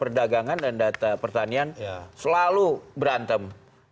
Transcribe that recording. jadi dari zaman dulu data perdagangan selalu berantem